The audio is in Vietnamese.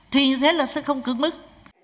thế là sẽ không cưỡng mức